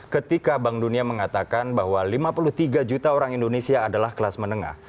ketika bank dunia mengatakan bahwa lima puluh tiga juta orang indonesia adalah kelas menengah